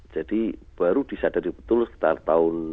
jadi kemudian diberi telodomid dan angka kelahiran bayinya